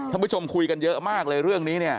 ท่านผู้ชมคุยกันเยอะมากเลยเรื่องนี้